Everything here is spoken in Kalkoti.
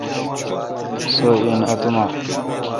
سو این اؘ اتوما۔